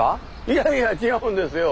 いやいや違うんですよ。